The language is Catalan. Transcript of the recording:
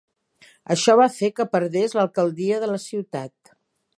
Això va fer que perdés l'alcaldia de la ciutat.